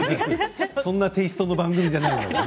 そんなテイストの番組じゃないのよ。